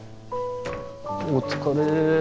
お疲れ。